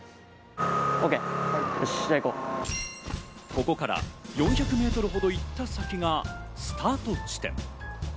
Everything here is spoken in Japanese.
ここから４００メートルほど行った先がスタート地点。